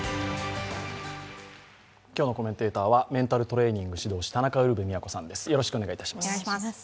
今日のコメンテーターはメンタルトレーニング指導士、田中ウルヴェ京さんです。